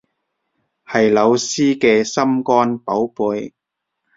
係老師嘅心肝寶貝